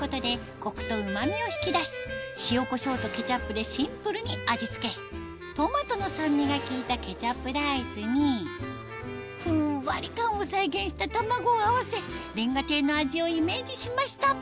コクとうま味を引き出し塩コショウとケチャップでシンプルに味付けトマトの酸味が効いたケチャップライスにふんわり感を再現した卵を合わせ煉瓦亭の味をイメージしました